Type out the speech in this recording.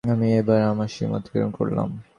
আমি কি এবার আমার, সীমা অতিক্রম করলাম?